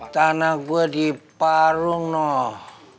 tanah gua di parung noh